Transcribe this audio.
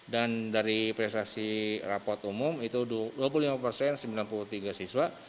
dan dari prestasi rapat umum itu dua puluh lima persen sembilan puluh tiga siswa